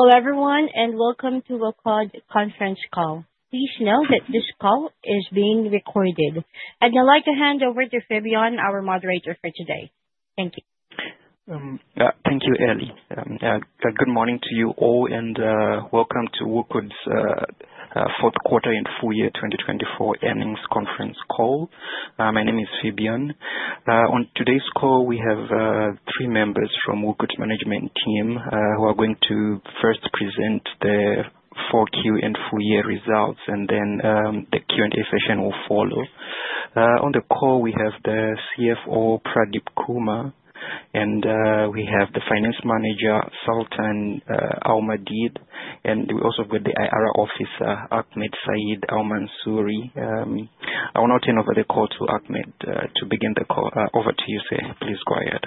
Hello, everyone, and welcome to WOQOD conference call. Please know that this call is being recorded, and I'd like to hand over to Phibion, our moderator, for today. Thank you. Thank you, Eli. Good morning to you all, and welcome to WOQOD's fourth quarter and full year 2024 earnings conference call. My name is Phibion. On today's call, we have three members from WOQOD's management team who are going to first present their 4Q and full year results, and then the Q&A session will follow. On the call, we have the CFO, Pradeep Kumar, and we have the Finance Manager, Sultan Al-Maadeed. And we also have the IR Officer, Ahmad Said Al-Mansoori. I will now turn over the call to Ahmad to begin the call. Over to you, sir. Please go ahead.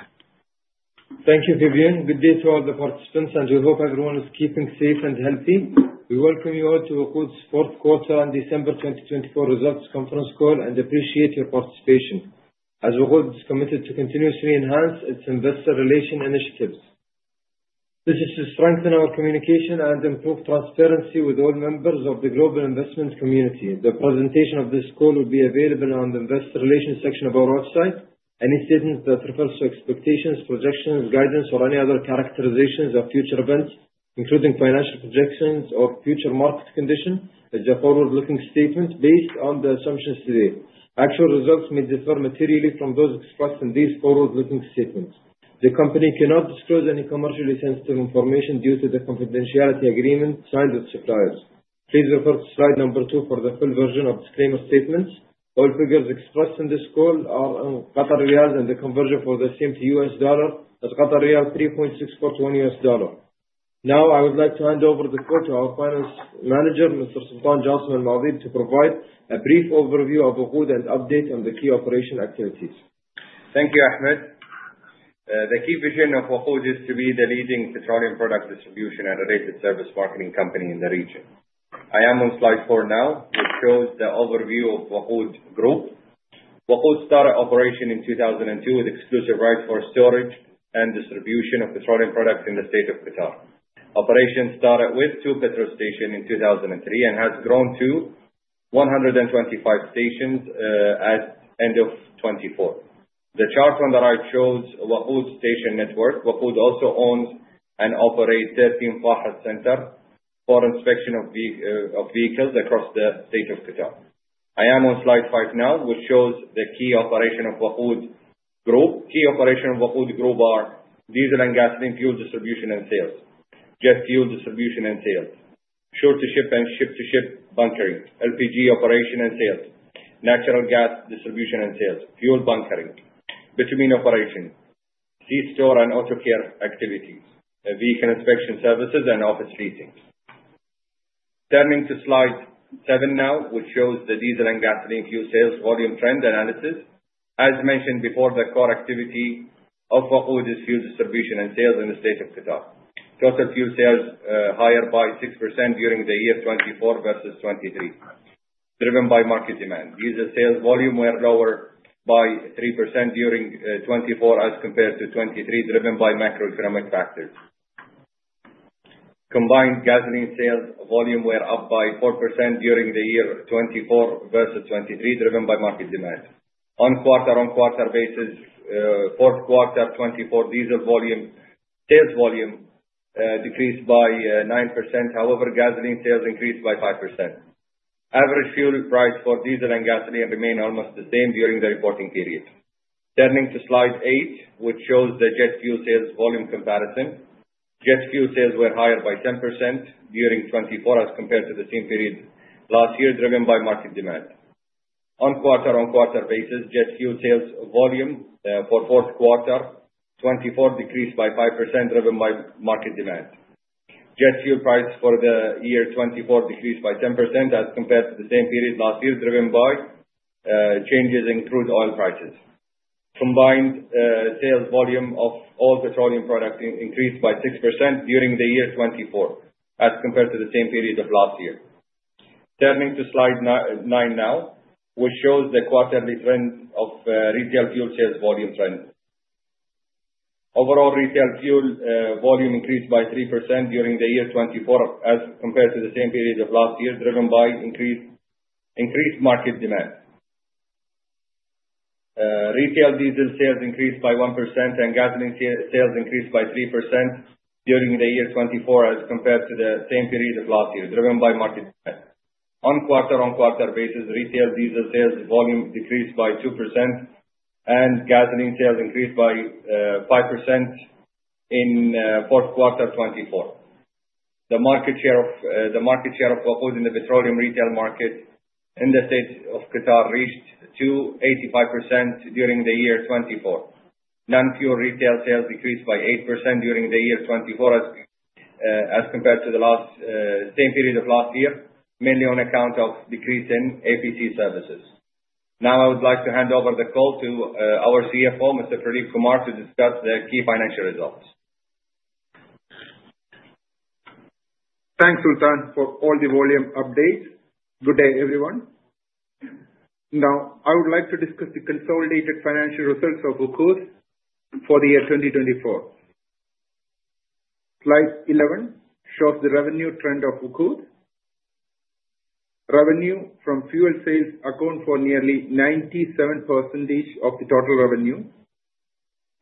Thank you, Phibion. Good day to all the participants, and we hope everyone is keeping safe and healthy. We welcome you all to WOQOD's fourth quarter and December 2024 results conference call and appreciate your participation. As WOQOD is committed to continuously enhance its investor relation initiatives, this is to strengthen our communication and improve transparency with all members of the global investment community. The presentation of this call will be available on the investor relations section of our website. Any statements that refer to expectations, projections, guidance, or any other characterizations of future events, including financial projections or future market conditions, is a forward-looking statement based on the assumptions today. Actual results may differ materially from those expressed in these forward-looking statements. The company cannot disclose any commercially sensitive information due to the confidentiality agreement signed with suppliers. Please refer to slide number two for the full version of disclaimer statements. All figures expressed in this call are in Qatari Riyal, and the conversion for the same to U.S. Dollar is riyal 3.64 to $1. Now, I would like to hand over the call to our finance manager, Mr. Sultan Jassim Al-Maadeed, to provide a brief overview of WOQOD and update on the key operation activities. Thank you, Ahmad. The key vision of WOQOD is to be the leading petroleum product distribution and related service marketing company in the region. I am on slide four now, which shows the overview of WOQOD Group. WOQOD started operation in 2002 with exclusive rights for storage and distribution of petroleum products in the State of Qatar. Operation started with two petrol stations in 2003 and has grown to 125 stations at the end of 2024. The chart on the right shows WOQOD station network. WOQOD also owns and operates 13 FAHES centers for inspection of vehicles across the State of Qatar. I am on slide five now, which shows the key operation of WOQOD Group. Key operation of WOQOD Group are diesel and gasoline fuel distribution and sales, jet fuel distribution and sales, shore-to-ship and ship-to-ship bunkering, LPG operation and sales, natural gas distribution and sales, fuel bunkering, bitumen operation, c-store and auto care activities, vehicle inspection services, and office meetings. Turning to slide seven now, which shows the diesel and gasoline fuel sales volume trend analysis. As mentioned before, the core activity of WOQOD is fuel distribution and sales in the State of Qatar. Total fuel sales are higher by 6% during the year 2024 versus 2023, driven by market demand. Diesel sales volume were lower by 3% during 2024 as compared to 2023, driven by macroeconomic factors. Combined gasoline sales volume were up by 4% during the year 2024 versus 2023, driven by market demand. On quarter-on-quarter basis, fourth quarter 2024, sales volume decreased by 9%. However, gasoline sales increased by 5%. Average fuel price for diesel and gasoline remained almost the same during the reporting period. Turning to slide eight, which shows the jet fuel sales volume comparison. Jet fuel sales were higher by 10% during 2024 as compared to the same period last year, driven by market demand. On quarter-on-quarter basis, jet fuel sales volume for fourth quarter 2024 decreased by 5%, driven by market demand. Jet fuel price for the year 2024 decreased by 10% as compared to the same period last year, driven by changes in crude oil prices. Combined sales volume of all petroleum products increased by 6% during the year 2024 as compared to the same period of last year. Turning to slide nine now, which shows the quarterly trend of retail fuel sales volume trend. Overall, retail fuel volume increased by 3% during the year 2024 as compared to the same period of last year, driven by increased market demand. Retail diesel sales increased by 1%, and gasoline sales increased by 3% during the year 2024 as compared to the same period of last year, driven by market demand. On quarter-on-quarter basis, retail diesel sales volume decreased by 2%, and gasoline sales increased by 5% in fourth quarter 2024. The market share of WOQOD in the petroleum retail market in the State of Qatar reached to 85% during the year 2024. Non-fuel retail sales decreased by 8% during the year 2024 as compared to the same period of last year, mainly on account of decrease in auto care services. Now, I would like to hand over the call to our CFO, Mr. Pradeep Kumar, to discuss the key financial results. Thanks, Sultan, for all the volume updates. Good day, everyone. Now, I would like to discuss the consolidated financial results of WOQOD for the year 2024. Slide 11 shows the revenue trend of WOQOD. Revenue from fuel sales account for nearly 97% of the total revenue.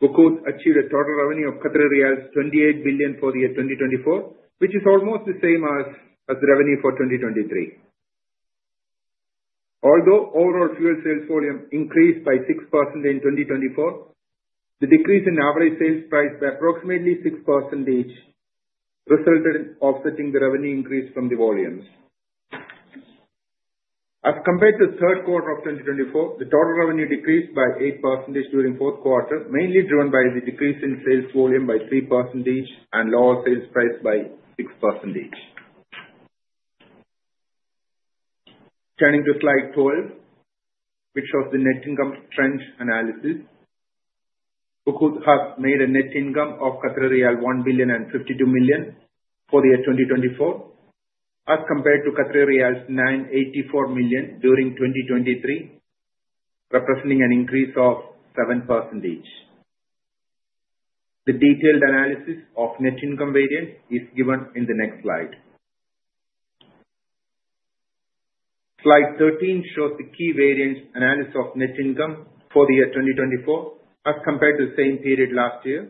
WOQOD achieved a total revenue of Qatari riyals 28 billion for the year 2024, which is almost the same as the revenue for 2023. Although overall fuel sales volume increased by 6% in 2024, the decrease in average sales price by approximately 6% resulted in offsetting the revenue increase from the volumes. As compared to the third quarter of 2024, the total revenue decreased by 8% during fourth quarter, mainly driven by the decrease in sales volume by 3% and lower sales price by 6%. Turning to slide 12, which shows the net income trend analysis. WOQOD has made a net income of 1 billion and 52 million for the year 2024 as compared to 984 million during 2023, representing an increase of 7%. The detailed analysis of net income variance is given in the next slide. Slide 13 shows the key variance analysis of net income for the year 2024 as compared to the same period last year.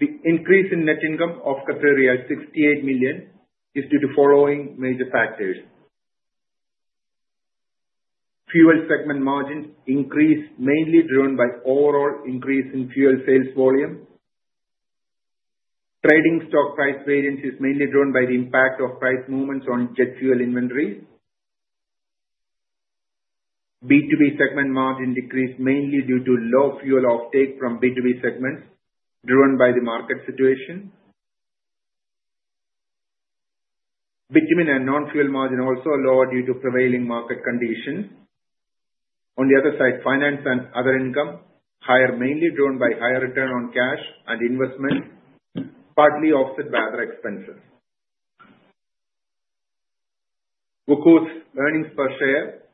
The increase in net income of 68 million is due to the following major factors. Fuel segment margins increase, mainly driven by overall increase in fuel sales volume. Trading stock price variance is mainly driven by the impact of price movements on jet fuel inventories. B2B segment margin decrease, mainly due to low fuel offtake from B2B segments, driven by the market situation. Bitumen and non-fuel margin also lower due to prevailing market conditions. On the other side, finance and other income higher, mainly driven by higher return on cash and investment, partly offset by other expenses. WOQOD's earnings per share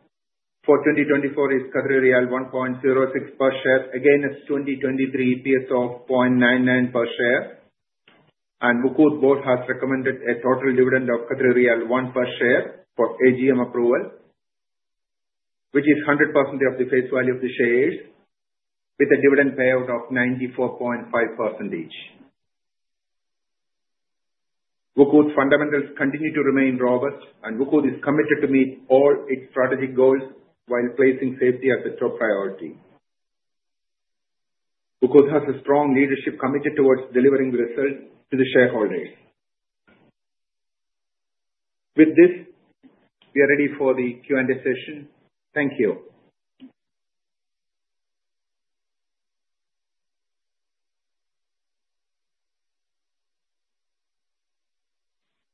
for 2024 is 1.06 per share, again a 2023 EPS of 0.99 per share, and WOQOD Board has recommended a total dividend of riyal 1 per share for AGM approval, which is 100% of the face value of the shares, with a dividend payout of 94.5%. WOQOD's fundamentals continue to remain robust, and WOQOD is committed to meet all its strategic goals while placing safety as a top priority. WOQOD has a strong leadership commitment towards delivering results to the shareholders. With this, we are ready for the Q&A session. Thank you.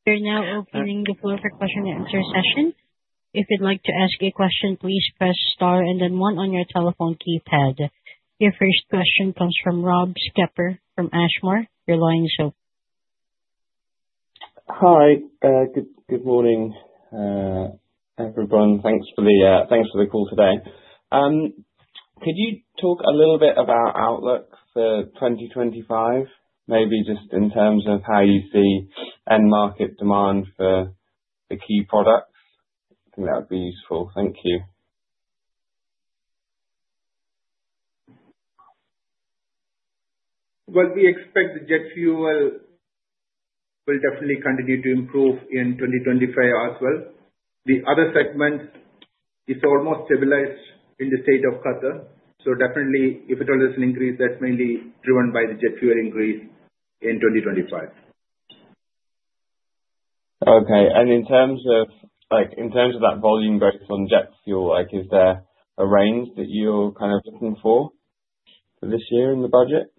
We are now opening the floor for question and answer session. If you'd like to ask a question, please press star and then one on your telephone keypad. Your first question comes from Rob Skepper from Ashmore. Your line is open. Hi, good morning, everyone. Thanks for the call today. Could you talk a little bit about outlook for 2025, maybe just in terms of how you see end market demand for the key products? I think that would be useful. Thank you. We expect the jet fuel will definitely continue to improve in 2025 as well. The other segment is almost stabilized in the State of Qatar. Definitely, if it all doesn't increase, that's mainly driven by the jet fuel increase in 2025. Okay. And in terms of that volume growth on jet fuel, is there a range that you're kind of looking for for this year in the budget?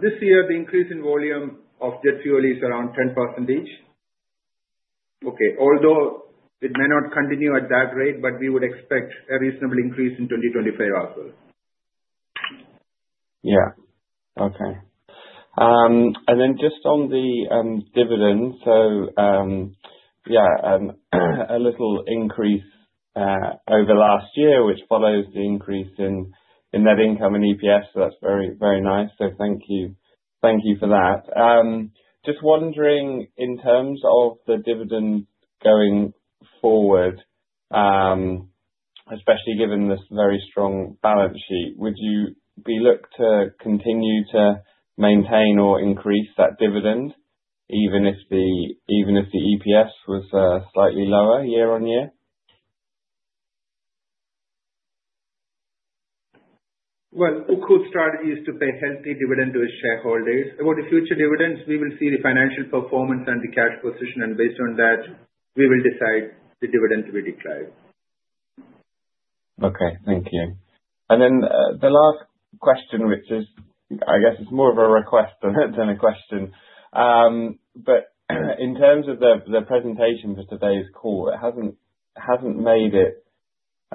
This year, the increase in volume of jet fuel is around 10%. Okay. Although it may not continue at that rate, but we would expect a reasonable increase in 2025 as well. Yeah. Okay. And then just on the dividend, so yeah, a little increase over last year, which follows the increase in net income and EPS. So that's very nice. So thank you for that. Just wondering, in terms of the dividend going forward, especially given this very strong balance sheet, would you be looking to continue to maintain or increase that dividend even if the EPS was slightly lower year on year? WOQOD's strategy is to pay healthy dividend to its shareholders. About the future dividends, we will see the financial performance and the cash position, and based on that, we will decide the dividend to be declared. Okay. Thank you. And then the last question, which is, I guess, it's more of a request than a question. But in terms of the presentation for today's call, it hasn't made it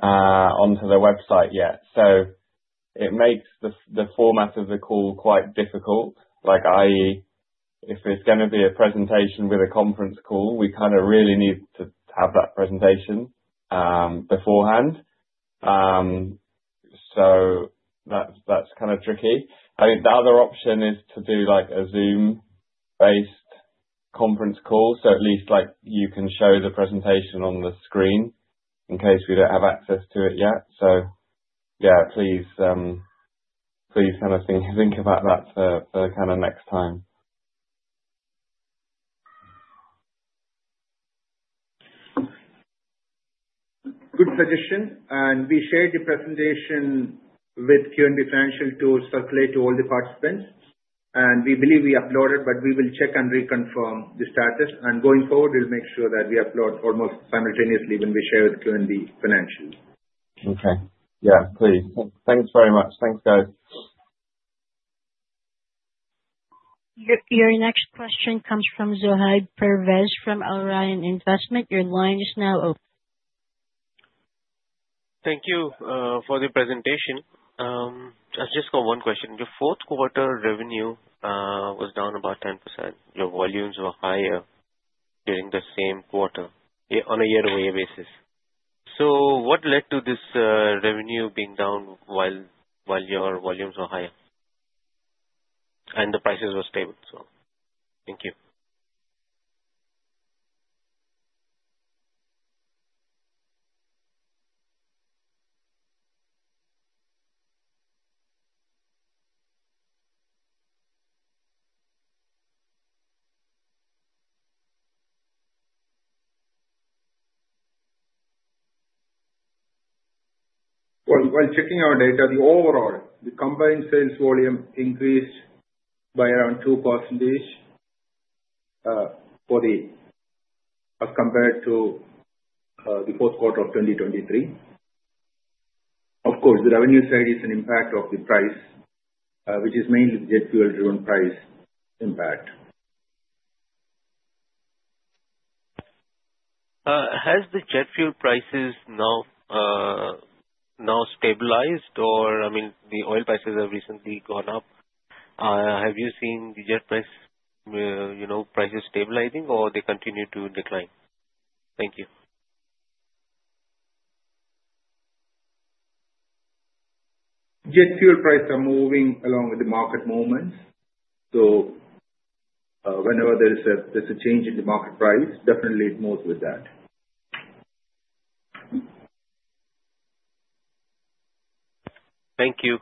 onto the website yet. So it makes the format of the call quite difficult. If there's going to be a presentation with a conference call, we kind of really need to have that presentation beforehand. So that's kind of tricky. I think the other option is to do a Zoom-based conference call, so at least you can show the presentation on the screen in case we don't have access to it yet. So yeah, please kind of think about that for kind of next time. Good suggestion. And we shared the presentation with QNB Financial to circulate to all the participants. And we believe we uploaded, but we will check and reconfirm the status. And going forward, we'll make sure that we upload almost simultaneously when we share with QNB Financial. Okay. Yeah, please. Thanks very much. Thanks, guys. Your next question comes from Zohaib Pervez from Al Rayan Investment. Your line is now open. Thank you for the presentation. I just got one question. Your fourth quarter revenue was down about 10%. Your volumes were higher during the same quarter on a year-over-year basis. So what led to this revenue being down while your volumes were higher and the prices were stable? So thank you. While checking our data, the overall, the combined sales volume increased by around 2% as compared to the fourth quarter of 2023. Of course, the revenue side is an impact of the price, which is mainly the jet fuel-driven price impact. Has the jet fuel prices now stabilized? Or I mean, the oil prices have recently gone up. Have you seen the jet prices stabilizing, or they continue to decline? Thank you. Jet fuel prices are moving along with the market movements. So whenever there's a change in the market price, definitely it moves with that. Thank you.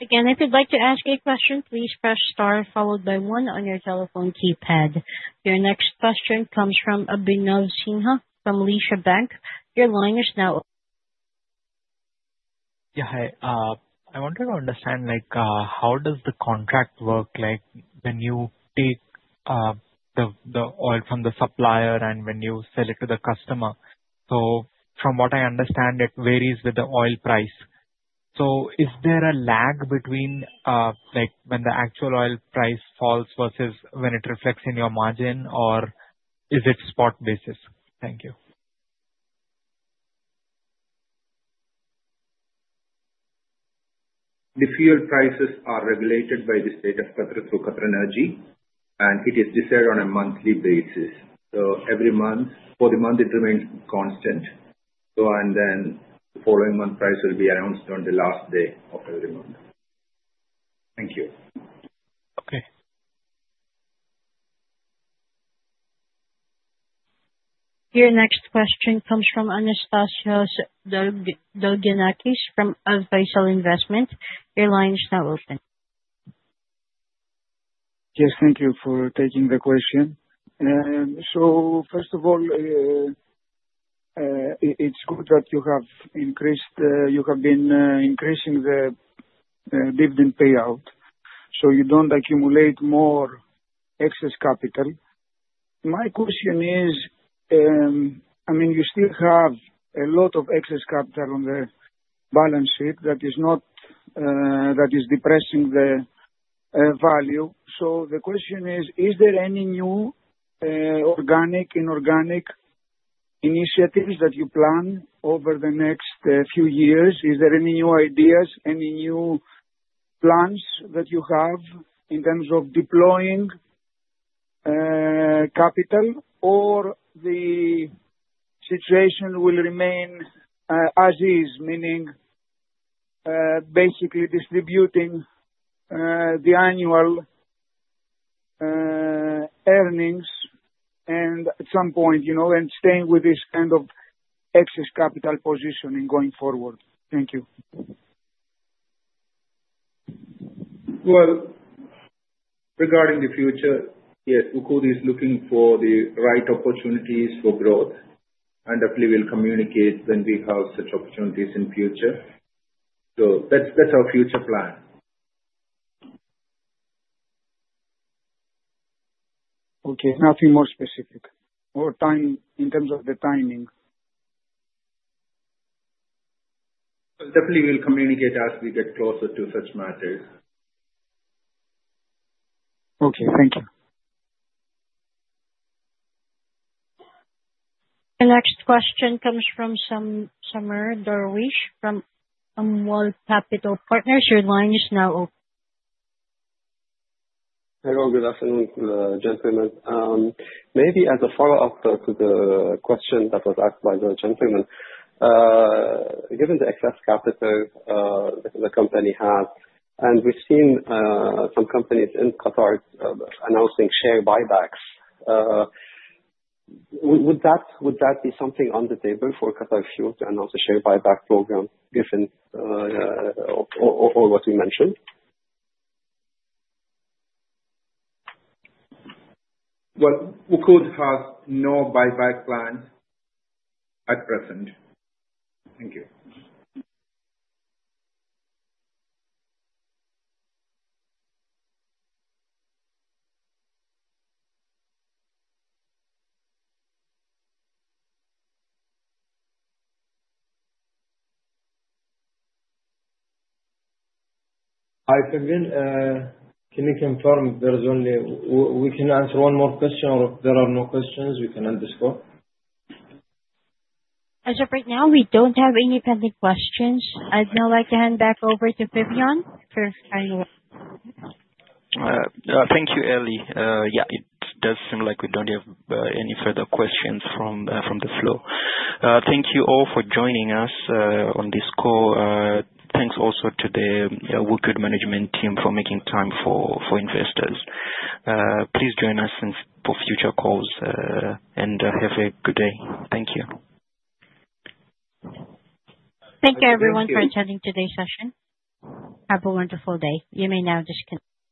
Again, if you'd like to ask a question, please press star followed by one on your telephone keypad. Your next question comes from Abhinav Sinha from Lesha Bank. Your line is now open. Yeah. Hi. I wanted to understand how does the contract work when you take the oil from the supplier and when you sell it to the customer. So from what I understand, it varies with the oil price. So is there a lag between when the actual oil price falls versus when it reflects in your margin, or is it spot basis? Thank you. The fuel prices are regulated by the State of Qatar through QatarEnergy, and it is decided on a monthly basis. So every month, for the month, it remains constant. And then the following month, price will be announced on the last day of every month. Thank you. Okay. Your next question comes from Anastasios Balgiannakis from Al Faisal Investment. Your line is now open. Yes. Thank you for taking the question. So first of all, it's good that you have been increasing the dividend payout so you don't accumulate more excess capital. My question is, I mean, you still have a lot of excess capital on the balance sheet that is depressing the value. So the question is, is there any new organic, inorganic initiatives that you plan over the next few years? Is there any new ideas, any new plans that you have in terms of deploying capital, or the situation will remain as is, meaning basically distributing the annual earnings at some point and staying with this kind of excess capital position going forward? Thank you. Regarding the future, yes, WOQOD is looking for the right opportunities for growth, and definitely we'll communicate when we have such opportunities in the future. That's our future plan. Okay. Nothing more specific or in terms of the timing? Definitely, we'll communicate as we get closer to such matters. Okay. Thank you. The next question comes from Samar Darwish from Amwal Capital Partners. Your line is now open. Hello. Good afternoon, gentlemen. Maybe as a follow-up to the question that was asked by the gentlemen, given the excess capital that the company has, and we've seen some companies in Qatar announcing share buybacks, would that be something on the table for Qatar Fuel to announce a share buyback program given all what you mentioned? WOQOD has no buyback plan at present. Thank you. Hi, Phibion. Can you confirm there is only one more question we can answer, or if there are no questions, we can end this call? As of right now, we don't have any pending questions. I'd now like to hand back over to Phibion for final. Thank you, Eli. Yeah, it does seem like we don't have any further questions from the flow. Thank you all for joining us on this call. Thanks also to the WOQOD Management Team for making time for investors. Please join us for future calls and have a good day. Thank you. Thank you, everyone, for attending today's session. Have a wonderful day. You may now disconnect.